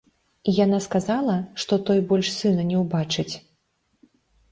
І яна сказала, што той больш сына не ўбачыць.